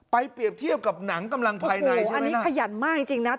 เปรียบเทียบกับหนังกำลังภายในอันนี้ขยันมากจริงจริงนะ